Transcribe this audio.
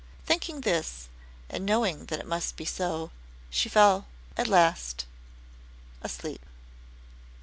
Thinking this and knowing that it must be so, she fell at last asleep.